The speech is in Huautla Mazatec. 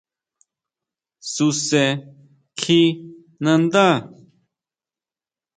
Suse kjí nanda.